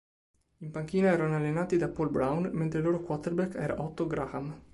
In panchina erano allenati da Paul Brown mentre il loro quarterback era Otto Graham.